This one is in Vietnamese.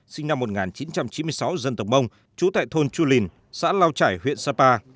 sinh năm một nghìn chín trăm chín mươi sáu dân tộc mông chú tại thôn chu lìn xã lao trải huyện sapa